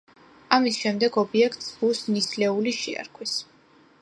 ამის შემდეგ, ობიექტს ბუს ნისლეული შეარქვეს.